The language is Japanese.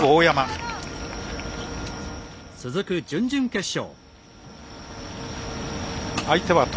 続く準々決勝。